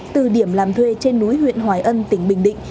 từ điểm làm thuê trên núi huyện hoài ân tỉnh bình định